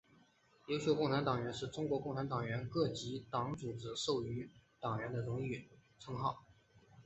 优秀共产党员是中国共产党各级党组织授予党员的荣誉称号。